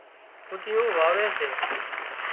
ڦُٽيون واوي سي